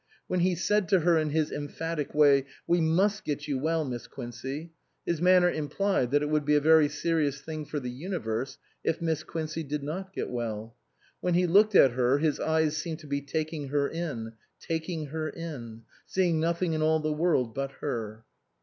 When he said to her in his emphatic way, " We must get you well Miss Quincey," his manner implied that it would be a very serious thing for the universe if Miss Quincey did not get well. When he looked at her his eyes seemed to be taking her in, taking her in, seeing nothing in all the world but her.